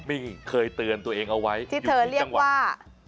มิ้งเคยเตือนตัวเองเอาไว้ที่เธอเรียกว่า